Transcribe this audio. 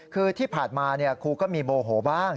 คือที่ผ่านมาครูก็มีโมโหบ้าง